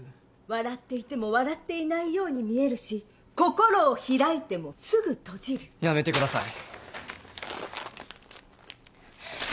「笑っていても笑っていないように見えるし心を開いてもすぐ閉じる」やめてください。